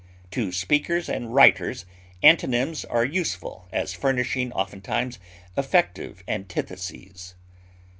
To speakers and writers antonyms are useful as furnishing oftentimes effective antitheses.